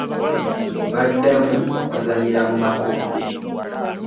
Baddamu okuzannyira mu makubo.